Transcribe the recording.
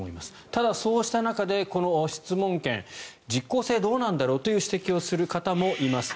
ただ、そうした中でこの質問権実効性どうなんだろうという指摘をする方もいます。